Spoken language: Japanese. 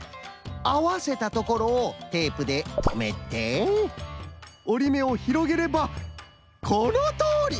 あわせたところをテープでとめておりめをひろげればこのとおり！